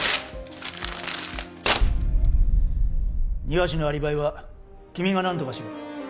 庭師のアリバイは君がなんとかしろ。